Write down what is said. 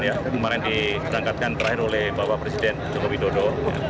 yang diangkatkan terakhir oleh bapak presiden joko widodo